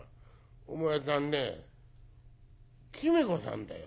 お前さんね君子さんだよ。